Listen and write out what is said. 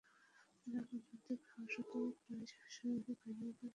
তারা পদাতিক হওয়া সত্ত্বেও কুরাইশ অশ্বারোহী বাহিনীর উপর ঝাঁপিয়ে পড়ে।